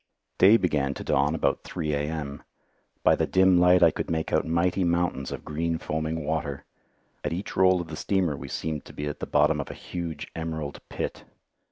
Day began to dawn about 3 A.M. By the dim light I could make out mighty mountains of green foaming water. At each roll of the steamer we seemed to be at the bottom of a huge emerald pit.